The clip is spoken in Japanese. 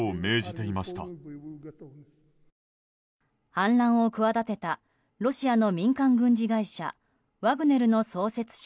反乱を企てたロシアの民間軍事会社ワグネルの創設者